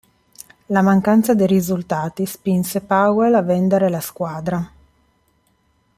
La mancanza di risultati spinse Powell a vendere la squadra.